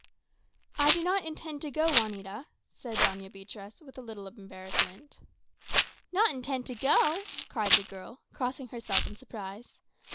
"I do not intend to go, Juanita," said Doña Beatriz, with a little embarrassment. "Not intend to go!" cried the girl, crossing herself in surprise.